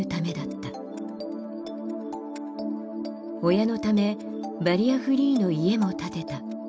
親のためバリアフリーの家も建てた。